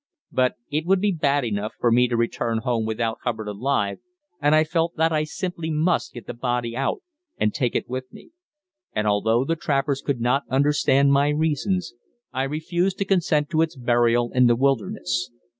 But it would be bad enough for me to return home without Hubbard alive, and I felt that I simply must get the body out and take it with me. And, although the trappers could not understand my reasons, I refused to consent to its burial in the wilderness.